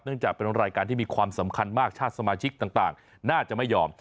จากเป็นรายการที่มีความสำคัญมากชาติสมาชิกต่างน่าจะไม่ยอม